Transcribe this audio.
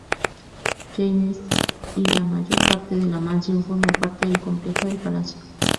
James y la mayor parte de la mansión formó parte del complejo del palacio.